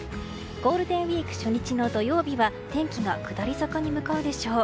ゴールデンウィーク初日の土曜日は天気が下り坂に向かうでしょう。